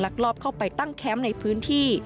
ลอบเข้าไปตั้งแคมป์ในพื้นที่